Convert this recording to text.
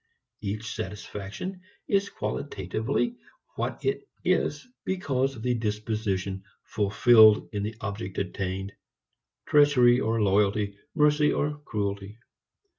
Each satisfaction is qualitatively what it is because of the disposition fulfilled in the object attained, treachery or loyalty, mercy or cruelty.